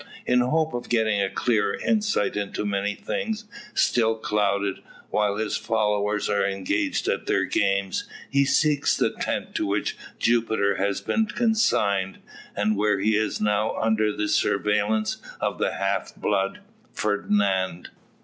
In hope of getting a clearer insight into many things still clouded, while his followers are engaged at their games, he seeks the tent to which Jupiter has been consigned, and where he is now under the surveillance of the half blood, Fernand.